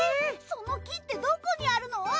その木ってどこにあるの？